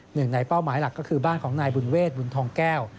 หนึ่งในเป้าหมายหลักก็คือบ้านของนายบุญเวทบุญทองแก้ว